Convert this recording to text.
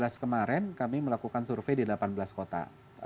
jadi dua ribu delapan belas kemarin kami melakukan survei di delapan belas kota